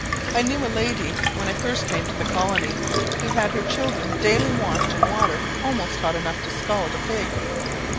I knew a lady, when I first came to the colony, who had her children daily washed in water almost hot enough to scald a pig.